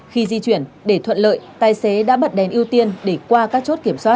khi di chuyển để thuận lợi tài xế đã bật đèn ưu tiên để qua các chốt kiểm soát